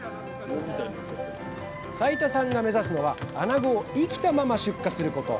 齊田さんが目指すのはあなごを生きたまま出荷すること。